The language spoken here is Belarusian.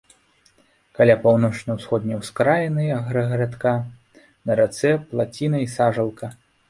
Каля паўночна-ўсходняй ускраіны аграгарадка на рацэ плаціна і сажалка.